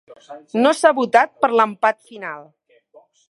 No s'ha votat per l'empat final.